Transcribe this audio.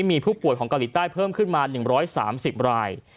มีผู้ป่วยของเกาหลีใต้เพิ่มขึ้นมา๑๓๐ราย